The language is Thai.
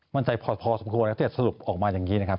มั่นใจพอสมควรก็จะสรุปออกมาอย่างนี้นะครับ